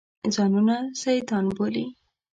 ځانونه سیدان بولي.